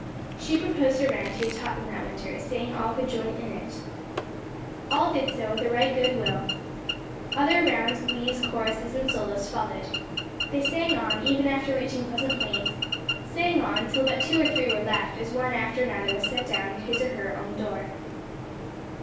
She proposed a round he had taught them that winter, saying all could join in it. All did so with right good will. Other rounds, glees, choruses and solos followed. They sang on even after reaching Pleasant Plains; sang on till but two or three were left as one after another was set down at his or her own door.